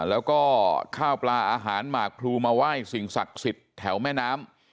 แล้วก็ข้าวปลาอาหารหมากพลูมาไหว้สิ่งศักดิ์สิทธิ์แถวแม่น้ำ